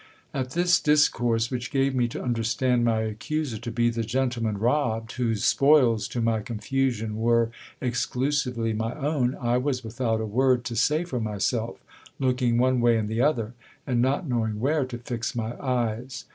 At this discourse, which gave me to understand my accuser to be the gentle man robbed, whose spoils to my confusion were exclusively my own, I was without a word to say for myself, looking one way and the other, and not knowing where to fix my eyes.